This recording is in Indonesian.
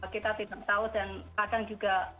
kita tidak tahu dan kadang juga